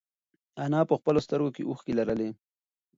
انا په خپلو سترگو کې اوښکې لرلې.